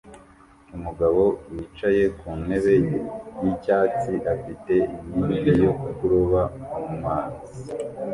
Umugabo wicaye ku ntebe yicyatsi afite inkingi yo kuroba mumazi